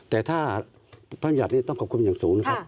แต่ถ้าพระบรรยัตินี้ต้องขอบคุณอย่างสูงนะครับ